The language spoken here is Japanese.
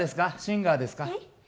シンガーですか？